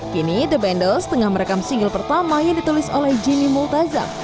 kini the bundles tengah merekam single pertama yang ditulis oleh jinny multazam